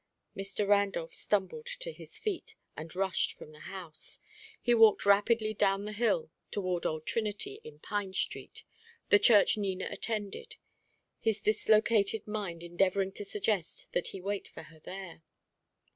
Mr. Randolph stumbled to his feet, and rushed from the house. He walked rapidly down the hill toward Old Trinity in Pine Street, the church Nina attended, his dislocated mind endeavouring to suggest that he wait for her there.